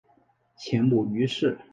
前母俞氏。